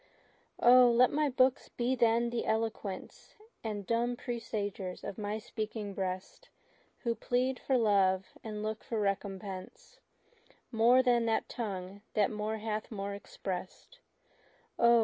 O! let my looks be then the eloquence And dumb presagers of my speaking breast, Who plead for love, and look for recompense, More than that tongue that more hath more express'd. O!